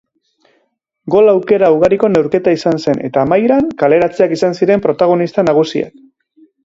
Gol aukera ugariko neurketa izan zen eta amaieran kaleratzeak izan ziren protagonista nagusiak.